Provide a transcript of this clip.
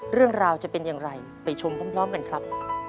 เรื่องราวจะเป็นอย่างไรไปชมพร้อมกันครับ